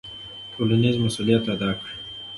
ټولنیز مسوولیت ادا کړئ.